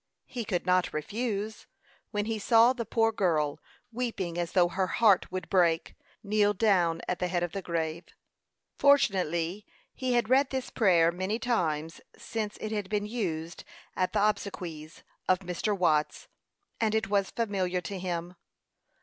He could not refuse, when he saw the poor girl, weeping as though her heart would break, kneel down at the head of the grave. Fortunately he had read this prayer many times since it had been used at the obsequies of Mr. Watts, and it was familiar to him.